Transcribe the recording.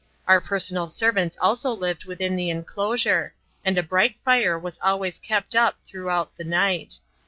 Our personal servants also lived within the enclosure, and a bright fire was always kept up throughout the night.